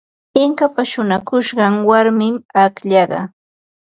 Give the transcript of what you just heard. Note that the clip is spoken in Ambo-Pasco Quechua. Inkapa shuñakushqan warmim akllaqa.